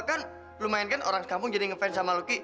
kan lumayan kan orang sekampung jadi ngefans sama lucky